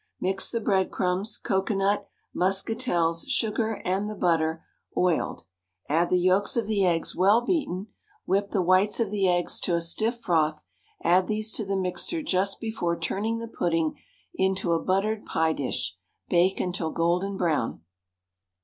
Mix the breadcrumbs, cocoanut; muscatels, sugar, and the butter (oiled); add the yolks of the eggs, well beaten, whip the whites of the eggs to a stiff froth, add these to the mixture just before turning the pudding into a buttered pie dish; bake until golden brown.